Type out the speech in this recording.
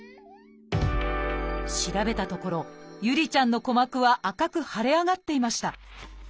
調べたところ侑里ちゃんの鼓膜は赤く腫れ上がっていました。